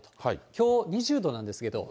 きょう２０度なんですけれども。